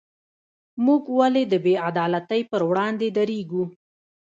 موږ ولې د بې عدالتۍ پر وړاندې دریږو؟